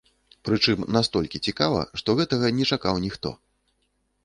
Прычым, настолькі цікава, што гэтага не чакаў ніхто.